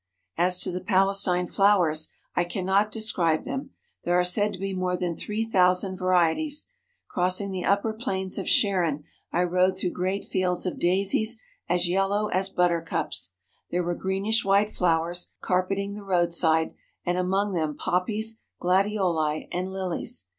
As to the Palestine flowers, I cannot describe them. There are said to be more than three thousand varieties. Crossing the upper plains of Sharon I rode through great fields of daisies as yellow as buttercups. There were greenish white flowers carpeting the roadside, and among them poppies, gladioli, and lilies.